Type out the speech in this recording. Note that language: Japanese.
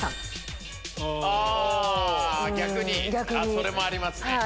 あ！それもありますね。